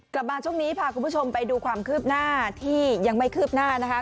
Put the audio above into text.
กลับมาช่วงนี้พาคุณผู้ชมไปดูความคืบหน้าที่ยังไม่คืบหน้านะคะ